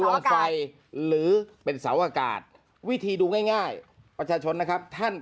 ดวงไฟหรือเป็นเสาอากาศวิธีดูง่ายประชาชนนะครับท่าน